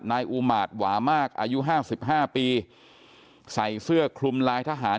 นายอูมารหวามากอายุ๕๕ปีใส่เสื้อคลุมลายทหาร